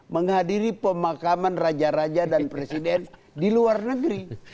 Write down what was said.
menghadiri pemakaman raja raja dan presiden di luar negeri